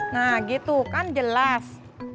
nah gitu kan jelas